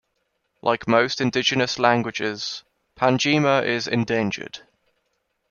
Like most indigenous languages, Panyjima is endangered.